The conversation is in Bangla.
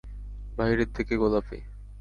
বাহিরের দিকে গোলাপী।